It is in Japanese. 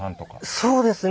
そうですね。